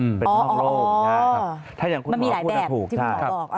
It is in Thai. มันมีหลายแบบ